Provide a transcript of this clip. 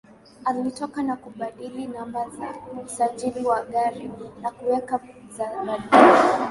Alitoka na kubadili namba za usajili wa gari na kuweka za bandia